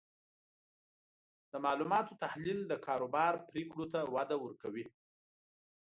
د معلوماتو تحلیل د کاروبار پریکړو ته وده ورکوي.